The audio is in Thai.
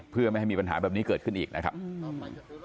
เพื่อไม่ให้มีปัญหาแบบนี้เกิดขึ้นอีกนะครับ